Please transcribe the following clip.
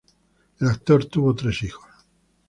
El actor tuvo tres hijos.